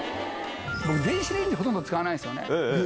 僕、電子レンジ、ほとんど使わないんですよね。